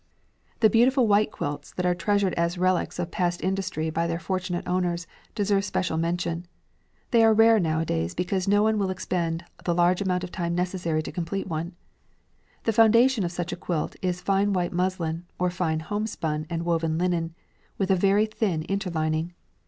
The beautiful white quilts that are treasured as relics of past industry by their fortunate owners deserve special mention. They are rare because nowadays no one will expend the large amount of time necessary to complete one. The foundation of such a quilt is fine white muslin, or fine homespun and woven linen, with a very thin interlining.